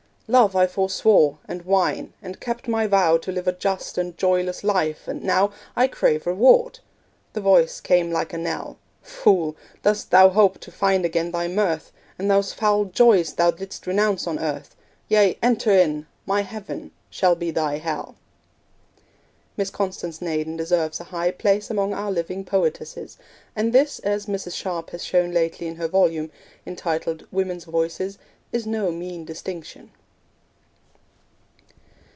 'Love I forswore, and wine, and kept my vow To live a just and joyless life, and now I crave reward.' The voice came like a knell 'Fool! dost thou hope to find again thy mirth, And those foul joys thou didst renounce on earth? Yea, enter in! My heaven shall be thy hell.' Miss Constance Naden deserves a high place among our living poetesses, and this, as Mrs. Sharp has shown lately in her volume, entitled Women's Voices, is no mean distinction.